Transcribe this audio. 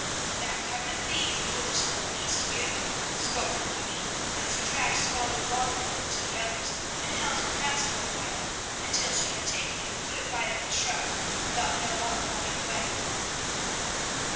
"Now come with me, you foolish little beast, you," scolded Moni, as he dragged Swallow along with him to the others, and held her fast for a while, until she had taken a good bite of a shrub and thought no more of running away.